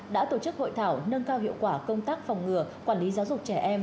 đã tổ chức hội thảo nâng cao hiệu quả công tác phòng ngừa quản lý giáo dục trẻ em